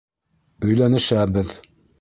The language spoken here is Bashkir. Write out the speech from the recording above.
Өйләнешәбеҙ.